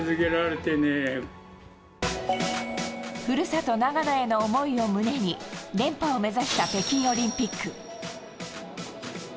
故郷・長野への思いを胸に連覇を目指した北京オリンピック。